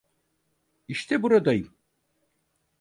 İşte burdayım.